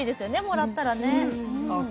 もらったらねああ